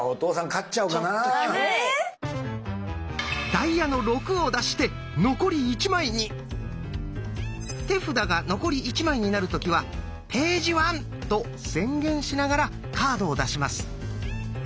ダイヤの「６」を出して手札が残り１枚になる時は「ページワン」と宣言しながらカードを出します。